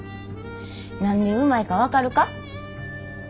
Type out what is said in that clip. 何でうまいか分かるか？